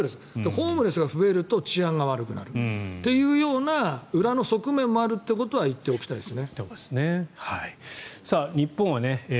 ホームレスが増えると治安が悪くなるというような裏の側面もあることは言っておきたいです。